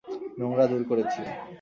নোংরা দূর করেছি।